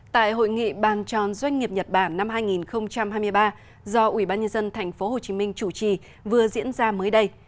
tại hội nghị bàn tròn doanh nghiệp nhật bản năm hai nghìn hai mươi ba do ủy ban nhân dân tp hcm chủ trì vừa diễn ra mới đây